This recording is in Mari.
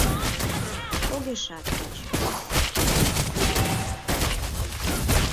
Огешат поч.